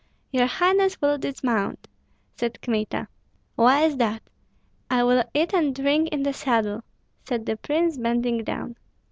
"Your highness will dismount!" said Kmita. "Why is that? I will eat and drink in the saddle," said the prince, bending down.